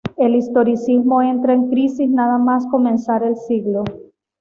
El historicismo entra en crisis nada más comenzar el siglo.